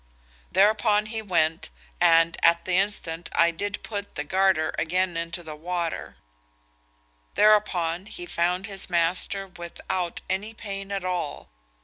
Thereupon he went, and, at the instant I did put the garter again into the water; thereupon he found his master without any pain at all.